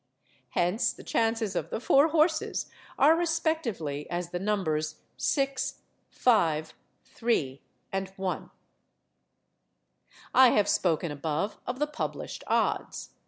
Hence the chances of the four horses are respectively as the numbers six, five, three and one. I have spoken above of the published odds.